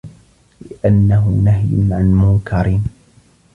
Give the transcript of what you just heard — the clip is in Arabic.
لِأَنَّهُ نَهْيٌ عَنْ مُنْكَرٍ